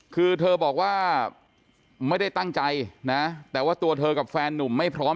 คือเธอบอกว่าไม่ได้ตั้งใจนะแต่ว่าตัวเธอกับแฟนนุ่มไม่พร้อม